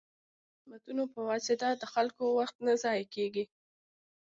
د بانکي خدمتونو په واسطه د خلکو وخت نه ضایع کیږي.